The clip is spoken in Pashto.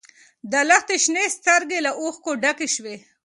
د لښتې شنې سترګې له اوښکو ډکې شوې.